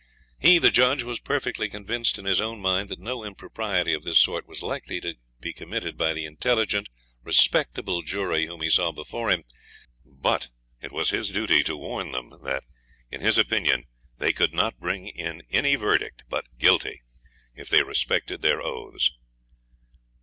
He, the judge, was perfectly convinced in his own mind that no impropriety of this sort was likely to be committed by the intelligent, respectable jury whom he saw before him; but it was his duty to warn them that, in his opinion, they could not bring in any verdict but 'Guilty' if they respected their oaths.